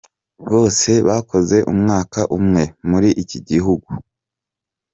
Bose bakoze umwaka umwe muri iki gihugu.